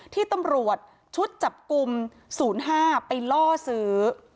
ที่ตำรวจชุดจับกลุ่ม๐๕ไปล่อซื้อ